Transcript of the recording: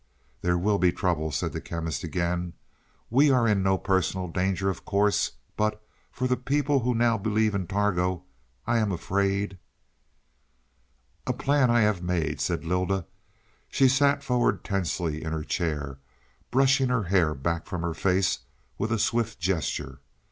"There will be trouble," said the Chemist again. "We are in no personal danger of course, but, for the people who now believe in Targo, I am afraid " "A plan I have made," said Lylda. She sat forward tensely in her chair, brushing her hair back from her face with a swift gesture.